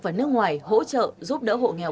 và nước ngoài hỗ trợ giúp đỡ hộ nghèo